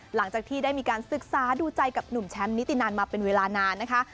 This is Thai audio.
หลังจากที่ได้มีการศึกษาดูใจกับหนุ่มแชมป์นิตินันมาเป็นเวลานานนะคะ